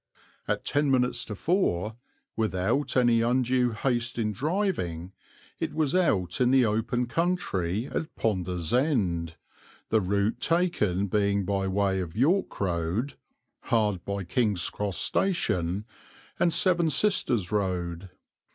At ten minutes to four, without any undue haste in driving, it was out in the open country at Ponder's End, the route taken being by way of York Road (hard by King's Cross Station) and Seven Sisters Road.